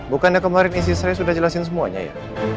bukannya kemarin istri saya sudah jelasin semuanya ya